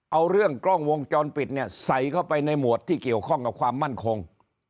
เอาเรื่องกล้องวงจรปิดเนี่ยใส่เข้าไปในหมวดที่เกี่ยวข้องกับความมั่นคง